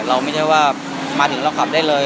เราไม่ใช่ว่ามาถึงเราขับได้เลย